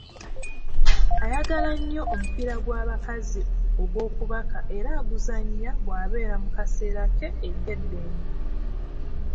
Ayagala nnyo omupiira gw'abakazi ogw'okubaka era aguzannya bw'abeera mu kaseera ke ek'eddembe